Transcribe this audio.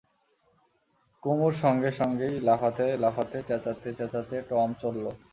কুমুর সঙ্গে সঙ্গেই লাফাতে লাফাতে চেঁচাতে চেঁচাতে টম চলল।